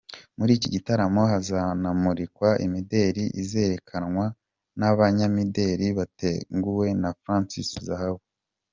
Muri iki gitaramo hazanamurikwa imideli izerekanwa n’abanyamideli bateguwe na Francis Zahabu.